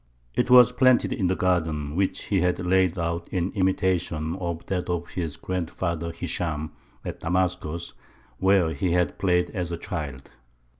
It was planted in the garden which he had laid out in imitation of that of his grandfather Hishām at Damascus, where he had played as a child.